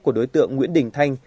của đối tượng nguyễn đình thanh